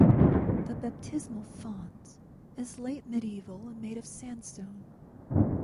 The baptismal font is late medieval and made of sandstone.